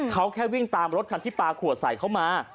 เขาแค่วิ่งตามรถคันที่ปลาขวดใส่เขามา